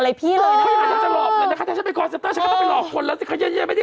เสียงพี่น่าจะจำได้